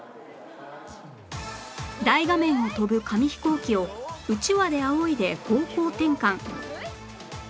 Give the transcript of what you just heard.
大画面を飛ぶ紙ヒコーキをうちわであおいで方向転換